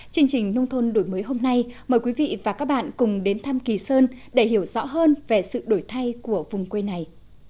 chương trình nông thôn đổi mới hôm nay mời quý vị và các bạn cùng đến thăm kỳ sơn để hiểu rõ hơn về sự đổi thay của vùng quê này